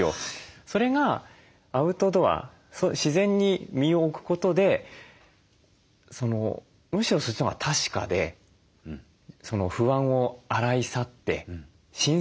それがアウトドア自然に身を置くことでむしろそっちのほうが確かでその不安を洗い去って新鮮な自分になるっていう。